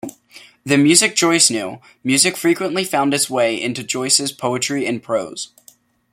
The music Joyce knew: Music frequently found its way into Joyce's poetry and prose.